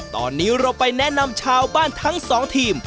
ตอนนี้เราไปแนะนำชาวบ้านทั้งสองทีม